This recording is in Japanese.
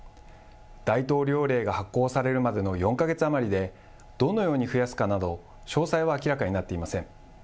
大統領令が発効されるまでの４か月余りで、どのように増やすかなど、詳細は明らかになっていません。